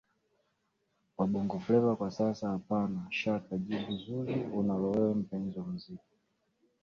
wa Bongo Fleva kwa sasa Hapana shaka jibu zuri unalo wewe mpenzi wa muziki